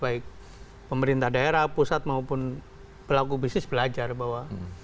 baik pemerintah daerah pusat maupun pelaku bisnis belajar bahwa